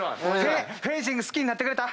フェンシング好きになってくれた？